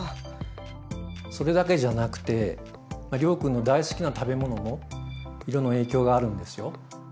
それだけじゃなくて諒君の大好きな食べ物も色の影響があるんですよ。